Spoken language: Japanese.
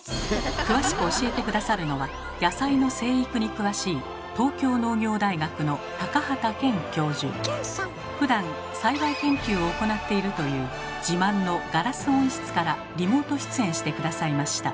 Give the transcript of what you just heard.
詳しく教えて下さるのは野菜の生育に詳しいふだん栽培研究を行っているという自慢のガラス温室からリモート出演して下さいました。